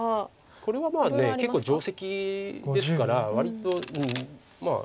これはまあ結構定石ですから割とうん。